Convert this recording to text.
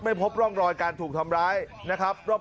พบร่องรอยการถูกทำร้ายนะครับ